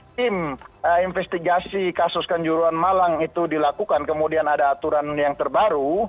tim investigasi kasus kanjuruan malang itu dilakukan kemudian ada aturan yang terbaru